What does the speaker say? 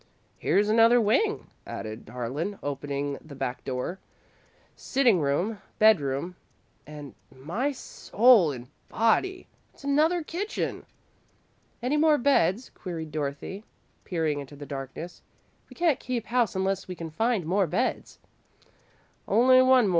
"Here's another wing," added Harlan, opening the back door. "Sitting room, bedroom, and my soul and body! It's another kitchen!" "Any more beds?" queried Dorothy, peering into the darkness. "We can't keep house unless we can find more beds." "Only one more.